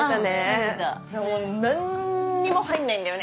もう何にも入んないんだよね。